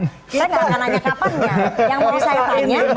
yang mau saya tanya